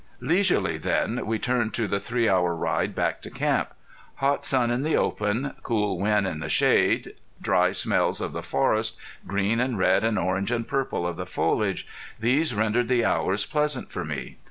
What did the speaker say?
Leisurely then we turned to the three hour ride back to camp. Hot sun in the open, cool wind in the shade, dry smells of the forest, green and red and orange and purple of the foliage these rendered the hours pleasant for me.